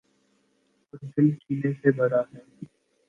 اوردل کینے سے بھراہے۔